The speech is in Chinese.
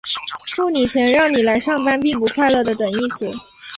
付你钱让你来上班并不快乐的等义词。